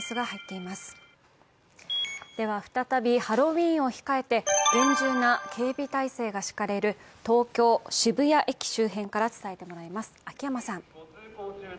再びハロウィーンを控えて厳重な警備体制が敷かれる東京・渋谷駅周辺から伝えてもらいます。